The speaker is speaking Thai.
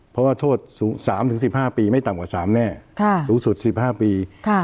เพราะว่าโทษ๓๑๕ปีไม่ต่ำกว่า๓แน่สูงสุด๑๕ปี